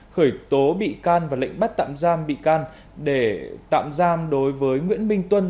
khởi tố bị can và lệnh bắt tạm giam bị can để tạm giam đối với nguyễn minh tuân